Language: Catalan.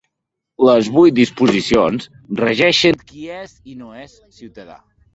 Les vuit disposicions regeixen qui és i no és ciutadà.